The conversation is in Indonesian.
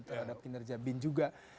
terhadap kinerja bin juga